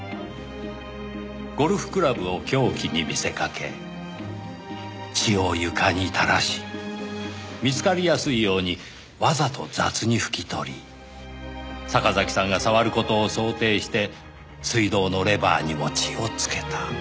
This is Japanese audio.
ゴルフクラブを凶器に見せかけ血を床に垂らし見つかりやすいようにわざと雑に拭き取り坂崎さんが触る事を想定して水道のレバーにも血をつけた。